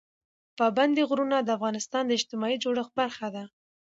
پابندي غرونه د افغانستان د اجتماعي جوړښت برخه ده.